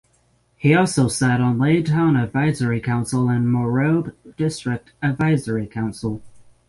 He also sat on Lae Town Advisory Council and Morobe District Advisory Council.